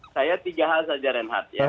saya tiga hal saja reinhardt ya